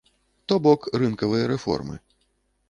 То бок, рынкавыя рэформы.